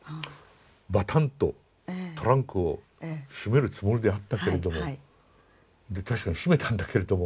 バタンとトランクを閉めるつもりであったけれどもで確かに閉めたんだけれども。